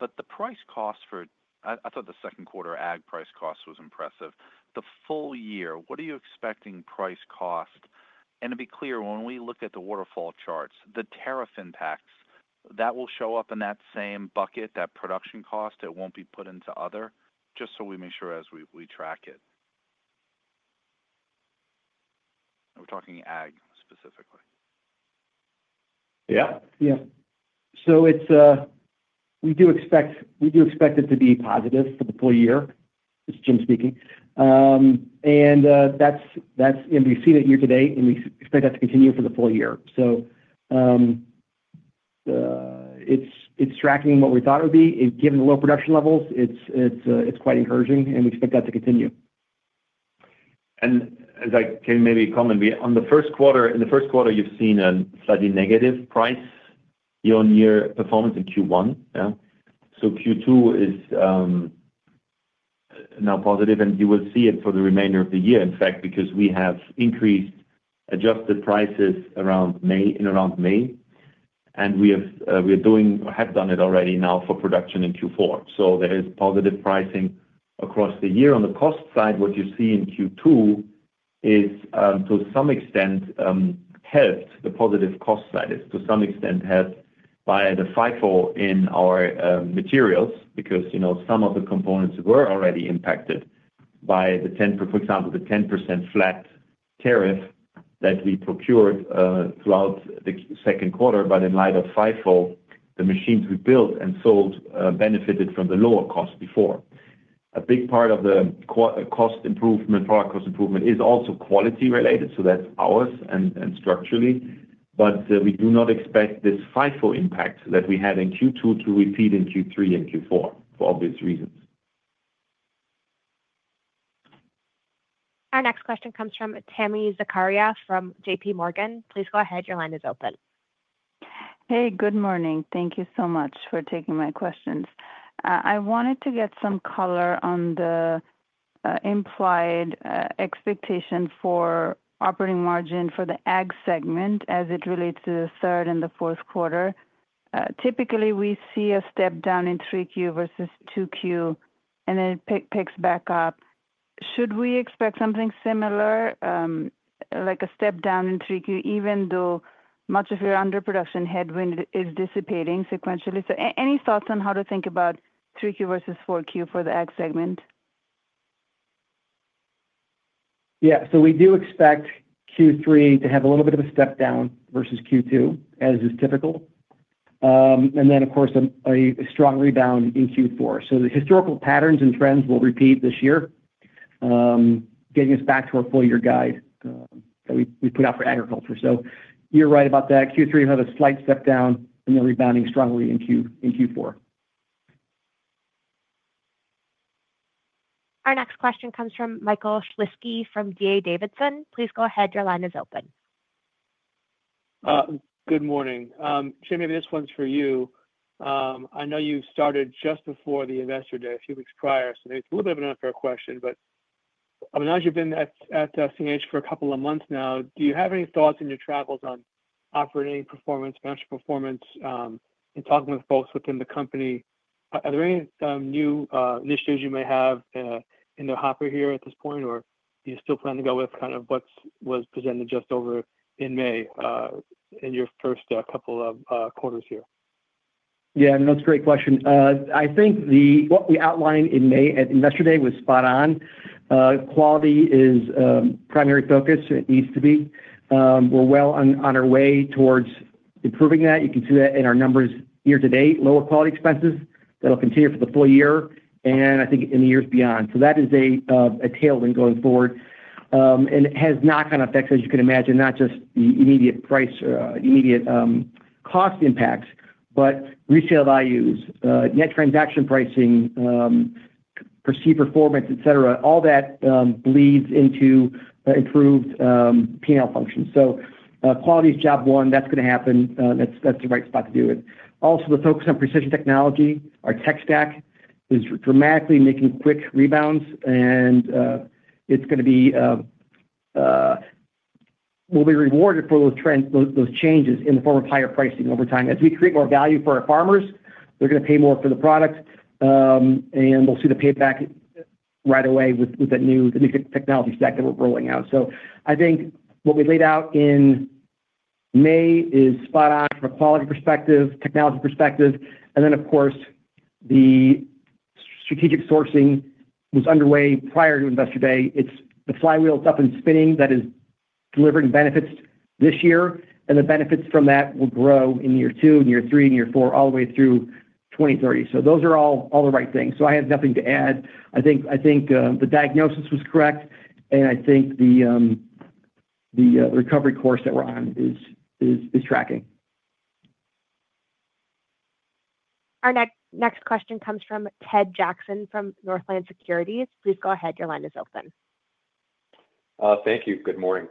Speaker 10: but the price cost for—I thought the second quarter AG price cost was impressive. The full year, what are you expecting? Price cost, and to be clear, when we look at the waterfall charts, the tariff impacts, that will show up in that same bucket, that production cost. It won't be put into other. Just so we make sure as we track it, we're talking AG specifically.
Speaker 3: Yeah.
Speaker 4: Yeah. We do expect it to be positive for the full year. It's Jim speaking. We've seen it year to date and we expect that to continue for the full year. So, it's tracking what we thought it would be, given the low production levels. It's quite encouraging and we expect that to continue.
Speaker 3: As I can maybe comment, on the first quarter, in the first quarter you've seen a slightly negative price year-on-year performance in Q1. Q2 is now positive and you will see it for the remainder of the year. In fact, because we have increased adjusted prices around May, and we have done it already now for production in Q4, there is positive pricing across the year. On the cost side, what you see in Q2 is to some extent helped. The positive cost side is to some extent helped by the FIFO in our materials because, you know, some of the components were already impacted by the 10%, for example, the 10% flat tariff that we procured throughout the second quarter. In light of FIFO, the machines we built and sold benefited from the lower cost before. A big part of the cost improvement, product cost improvement, is also quality related. That's ours and structurally. We do not expect this FIFO impact that we had in Q2 to repeat in Q3 and Q4 for obvious reasons.
Speaker 1: Our next question comes from Tami Zakaria from JP Morgan. Please go ahead. Your line is open.
Speaker 11: Hey, good morning. Thank you so much for taking my questions. I wanted to get some color on the implied expectation for operating margin for the AG segment as it relates to the third and the fourth quarter. Typically, we see a step down in 3Q versus 2Q, and then it picks back up. Should we expect something similar, like a step down in 3Q, even though much of your underproduction headwind is dissipating sequentially? Any thoughts on how to think about 3Q versus 4Q for the AG segment?
Speaker 4: Yeah, we do expect Q3 to have a little bit of a step down versus Q2, as is typical, and then of course a strong rebound in Q4. The historical patterns and trends will repeat this year, getting us back to our full year guide that we put out for Agriculture. You're right about that. Q3 had a slight step down and then rebounding strongly in Q4.
Speaker 1: Our next question comes from Michael Shlisky from D.A. Davidson. Please go ahead. Your line is open.
Speaker 12: Good morning, Jim. Maybe this one's for you. I know you started just before the investor day a few weeks prior, so it's a little bit of an unfair question. As you've been at CNH for a couple of months now, do you have any thoughts in your travels on operating performance, financial performance, and talking with folks within the company? Are there any new initiatives you may have in the hopper here at this point or do you still plan to go with kind of what was presented just over in May in your first couple of quarters here?
Speaker 4: Yeah, that's a great question. I think what we outlined in May at Investor Day was spot on. Quality is primary focus. It needs to be. We're well on our way towards improving that. You can see that in our numbers, year to date, lower quality expenses that will continue for the full year and I think in the years beyond. That is a tailwind going forward, and it has knock-on effects as you can imagine, not just the immediate price, immediate cost impact, but resale values, net transaction pricing, perceived performance, et cetera. All that bleeds into improved final functions. Quality is job one. That's going to happen. That's the right spot to do it. Also, the focus on precision technology, our tech stack is dramatically making quick rebounds and it's going to be rewarded for those trends, those changes in the form of higher pricing over time. As we create more value for our farmers, they're going to pay more for the product and we'll see the payback right away with that new technology stack that we're rolling out. I think what we laid out in May is spot on from a quality perspective, technology perspective. The strategic sourcing was underway prior to investor day. It's the flywheel, it's up and spinning that is delivering benefits this year and the benefits from that will grow in year two and year three and year four, all the way through 2030. Those are all the right things so I have nothing to add. I think the diagnosis was correct and I think the recovery course that we're on is tracking.
Speaker 1: Our next question comes from Ted Jackson from Northland Securities. Please go ahead. Your line is open.
Speaker 13: Thank you. Good morning.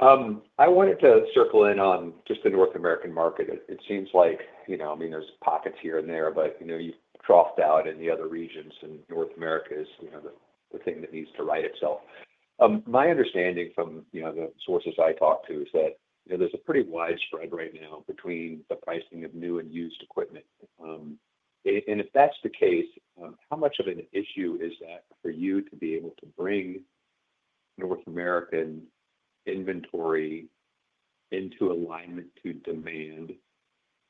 Speaker 13: I wanted to circle in on just the North American market. It seems like, you know, I mean there's pockets here and there, but you troughed out in the other regions and North America is the thing that needs to right itself. My understanding from the sources I talk to is that there's a pretty widespread right now between the pricing of new and used equipment. If that's the case, how much of an issue is that for you to be able to bring North American inventory into alignment to demand?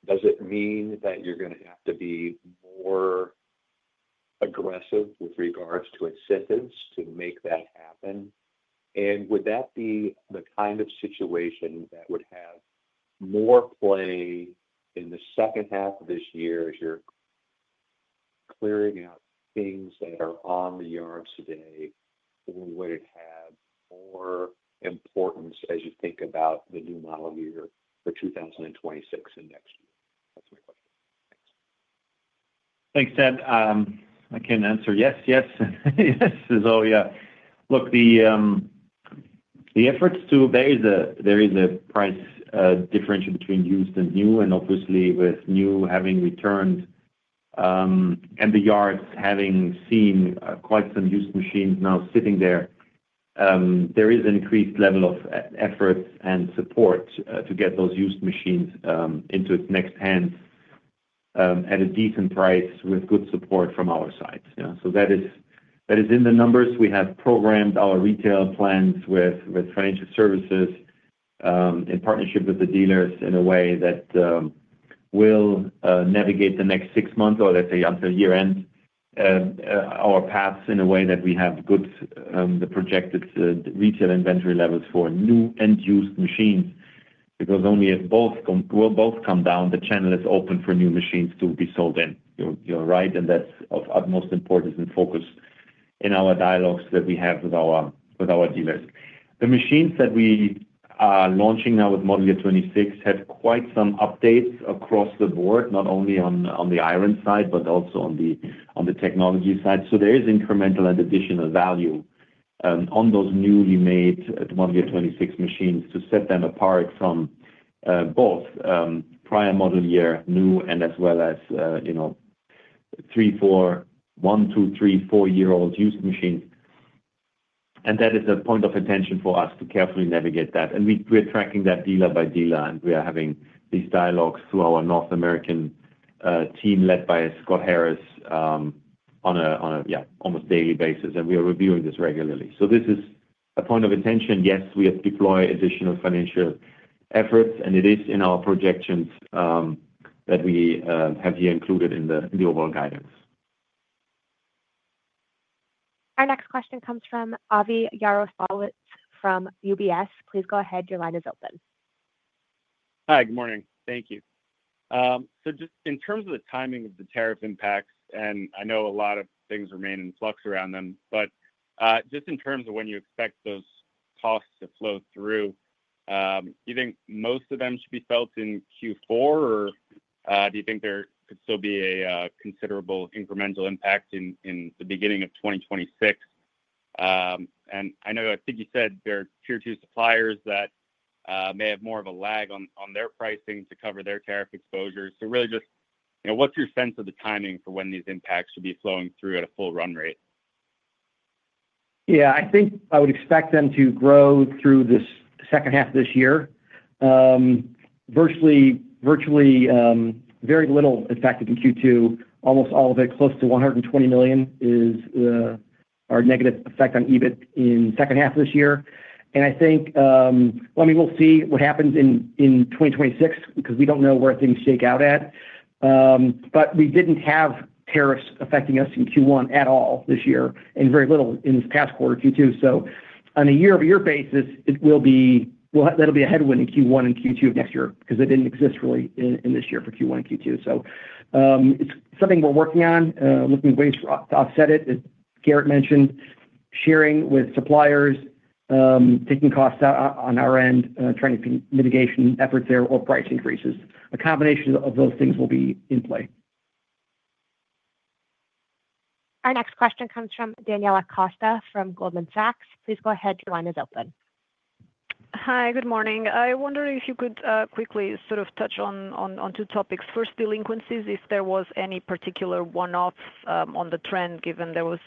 Speaker 13: Does it mean that you're going to have to be more aggressive with regards to incentives to make that happen? Would that be the kind of situation that would have more play in the second half of this year as you're clearing out things that are on the yard today? Would it have more importance as you think about the new model year for 2026 and next year? That's my question.
Speaker 3: Thanks, Ted, I can answer. Yes, yes, yes. Look, the efforts to there is a price differential between used and new and obviously with new having returned and the yards having seen quite some used machines now sitting there, there is an increased level of efforts and support to get those used machines into its next hand at a decent price with good support from our side. That is in the numbers. We have programmed our retail plans with financial services in partnership with the dealers in a way that will navigate the next six months or let's say until year end our paths in a way that we have good the projected retail inventory levels for new and used machines because only if both will both come down, the channel is open for new machines to be sold in. You're right and that's of utmost importance and focus in our dialogues that we have with our dealers. The machines that we are launching now with model year 2026 had quite some updates across the board, not only on the iron side but also on the technology side. There is incremental and additional value on those newly made model year 2026 machines to set them apart from both prior model year new and as well as, you know, 3 or 4 year old used machines. That is a point of attention for us to carefully navigate that and we're tracking that dealer by dealer and we are having these dialogues through our North American team led by Scott Harris on an almost daily basis and we are reviewing this regularly. This is a point of intention. Yes, we have deployed additional financial efforts and it is in our projections that we have here included in the overall guidance.
Speaker 1: Our next question comes from Avi Jaroslawicz from UBS. Please go ahead. Your line is open.
Speaker 14: Hi, good morning. Thank you. Just in terms of the timing of the tariff impacts, and I know a lot of things remain in flux around them, but just in terms of when you expect those costs to flow through, do you think most of them should be felt in Q4, or do you think there could still be a considerable incremental impact in the beginning of 2026? I know, I think you said there are tier 2 suppliers that may have more of a lag on their pricing to cover their tariff exposures. Really, what's your sense of the timing for when these impacts should be flowing through at a full run rate?
Speaker 4: Yeah, I think I would expect them to grow through this second half this year. Very little affected in Q2, almost all of it, close to $120 million, is our negative effect on EBIT in the second half of this year. I think we'll see what happens in 2026 because we don't know where things shake out at. We didn't have tariffs affecting us in Q1 at all this year and very little in this past quarter, Q2. On a year-over-year basis, that'll be a headwind in Q1 and Q2 of next year because it didn't exist really in this year for Q1 and Q2. It's something we're working on, looking at ways to offset it. Gerritt mentioned sharing with suppliers, taking costs out on our end, trying mitigation efforts there or price increases. A combination of those things will be in play.
Speaker 1: Our next question comes from Daniela Costa from Goldman Sachs. Please go ahead. Your line is open.
Speaker 15: Hi, good morning. I wonder if you could quickly sort of I'll touch on two topics. First, delinquencies, if there was any particular one off on the trend, given there was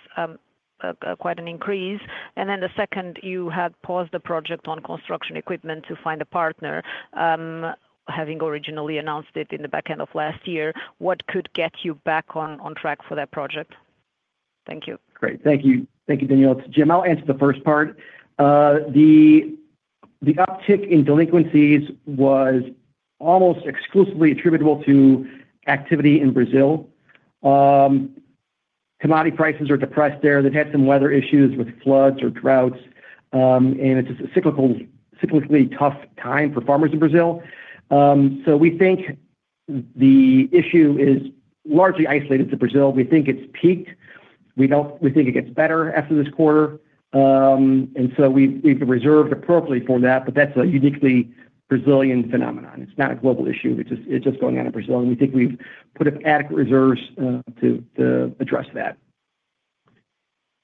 Speaker 15: quite an increase. The second, you had paused the project on construction equipment to find a partner, having originally announced it the back end of last year. What could get you back on track for that project? Thank you.
Speaker 4: Great. Thank you. Thank you, Daniela. Jim, I'll answer the first part. The uptick in delinquencies was almost exclusively attributable to activity in Brazil. Commodity prices are depressed there. They've had some weather issues with floods or droughts, and it's a cyclically tough time for farmers in Brazil. We think the issue is largely isolated to Brazil. We think it's peaked. We think it gets better after this quarter. We reserved appropriately for that. That's a uniquely Brazilian phenomenon. It's not a global issue. It's just going on in Brazil. We think we've put up adequate reserves to address that.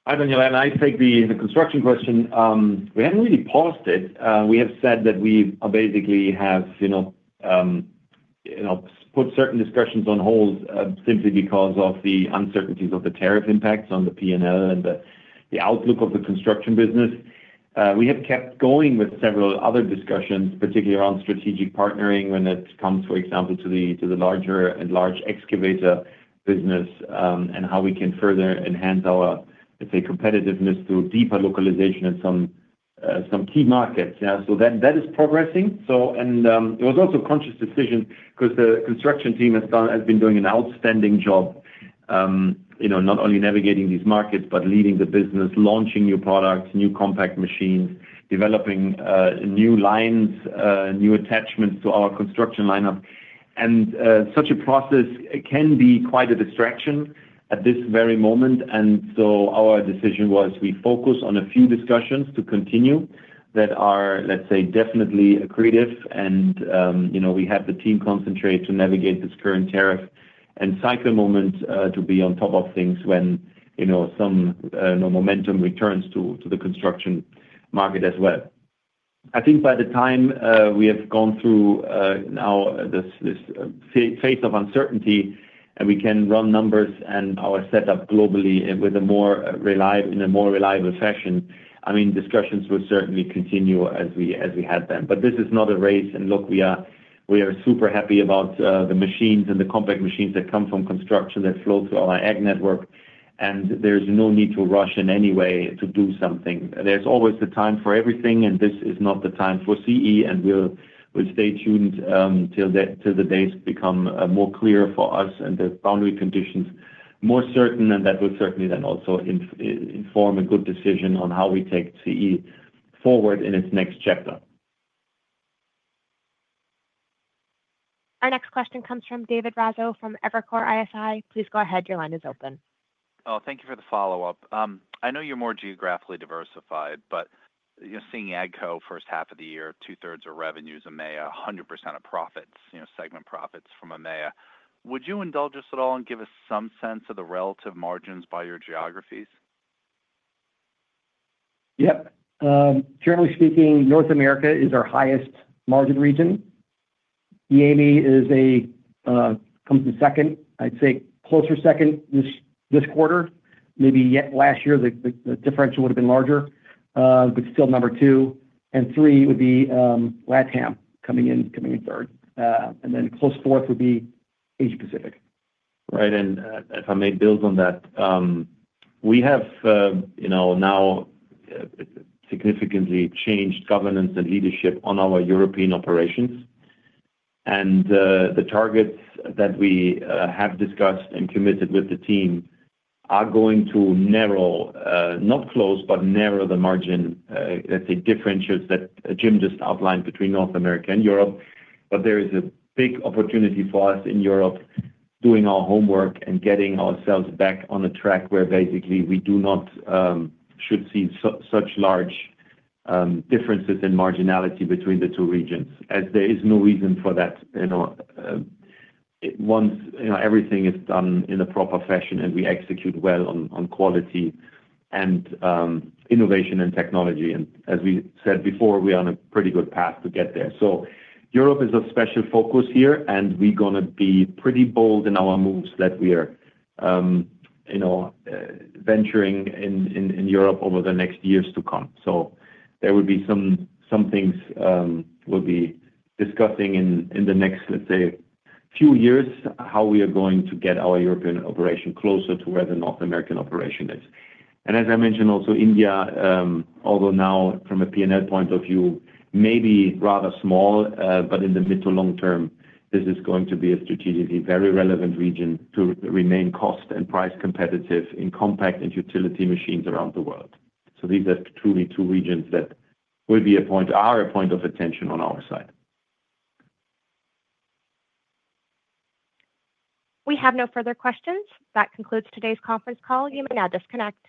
Speaker 3: Daniela, I take the construction question. We haven't really paused it. We have said that we basically have put certain discussions on hold simply because of the uncertainties of the tariff impacts on the P&L and the outlook of the construction business. We have kept going with several other discussions, particularly around strategic partnering when it comes, for example, to the larger and large excavator business and how we can further enhance our competitiveness through deeper localization in some key markets. That is progressing. It was also a conscious decision because the construction team has been doing an outstanding job, not only navigating these markets, but leading the business, launching new products, new compact machines, developing new lines, new attachments to our construction lineup. Such a process can be quite a distraction at this very moment. Our decision was to focus on a few discussions to continue that are, let's say, definitely accretive. We have the team concentrate to navigate this current tariff and cycle moment to be on top of things when some momentum returns to the construction market as well. I think by the time we have gone through this phase of uncertainty and we can run numbers and our setup globally in a more reliable fashion, discussions will certainly continue as we had them. This is not a race. We are super happy about the machines and the compact machines that come from construction that flow through our AG network. There's no need to rush in any way to do something. There's always the time for everything and this is not the time for CE. We'll stay tuned till the days become more clear for us and the boundary conditions more certain. That will certainly then also inform a good decision on how we take CE forward in its next chapter.
Speaker 1: Our next question comes from David Raso from Evercore ISI. Please go ahead. Your line is open.
Speaker 10: Thank you for the follow-up. I know you're more geographically diversified, but you're seeing AGCO first half of the year, 2/3 of revenues, EMEA, 100% of segment profits from EMEA. Would you indulge us at all and give us some sense of the relative margins by your geographies?
Speaker 4: Yep. Generally speaking, North America is our highest margin region. EMEA comes in second, I'd say closer second this quarter. Maybe last year the differential would have been larger, but still number two and three would be South America coming in third and then close fourth would be Asia-Pacific.
Speaker 3: Right. If I may build on that, we have now significantly changed governance and leadership on our European operations, and the targets that we have discussed and committed with the team are going to narrow, not close, but narrow the margin differentials that Jim just outlined between North America and Europe. There is a big opportunity for us in Europe doing our homework and getting ourselves back on a track where basically we should not see such large differences in marginality between the two regions as there is no reason for that. Once everything is done in the proper fashion and we execute well on quality and innovation and technology, as we said before, we are on a pretty good path to get there. Europe is a special focus here, and we're going to be pretty bold in our moves that we are venturing in Europe over the next years to come. There will be some things we'll be discussing in the next, let's say, few years, how we are going to get our European operation closer to where the North American operation is. As I mentioned, also India, although now from a P&L point of view may be rather small, in the mid to long term, this is going to be a strategically very relevant region to remain cost and price competitive in compact and utility machines around the world. These are truly two regions that will be a point, are a point of attention on our side.
Speaker 1: We have no further questions. That concludes today's conference call. You may now disconnect.